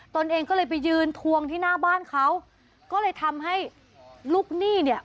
ตัวเองก็เลยไปยืนทวงที่หน้าบ้านเขาก็เลยทำให้ลูกหนี้เนี่ย